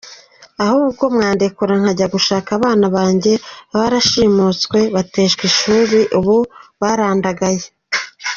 Ahubwo mwandekura nkajya gushaka abana banjye, barashimuswe, bateshwa ishuri ubu barandagaye.